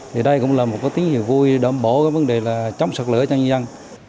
thì đây cũng là một cái tiếng hiệu vui đồng bộ vấn đề là chống sạt lửa cho nhân dân